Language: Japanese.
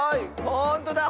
ほんとだ